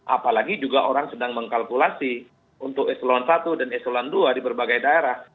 apalagi juga orang sedang mengkalkulasi untuk eselon satu dan eselon dua di berbagai daerah